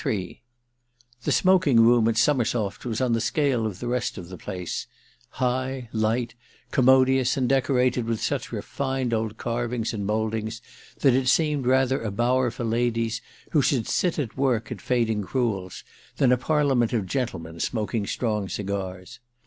39III The smoking room at Summersoft was on the scale of the rest of the place; high light commodious and decorated with such refined old carvings and mouldings that it seemed rather a bower for ladies who should sit at work at fading crewels than a parliament of gentlemen smoking strong cigars.